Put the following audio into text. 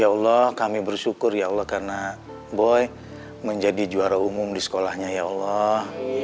ya allah kami bersyukur ya allah karena boy menjadi juara umum di sekolahnya ya allah